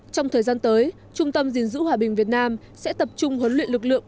trong thời gian tới trung tâm dình dữ hòa bình việt nam sẽ tập trung huấn luyện lực lượng